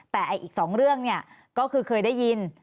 แต่อีกสองเรื่องก็คือเคยได้ยิน